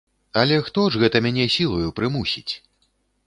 Але хто ж гэта мяне сілаю прымусіць?